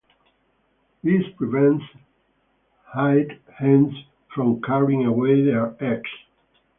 This prevents hte hens from carrying away their eggs.